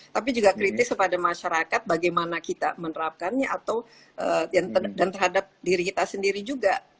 tapi juga kritis kepada masyarakat bagaimana kita menerapkannya atau dan terhadap diri kita sendiri juga